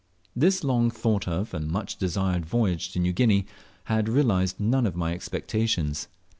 This long thought of and much desired voyage to New Guinea had realized none of my expectations.